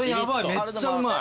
めっちゃうまい。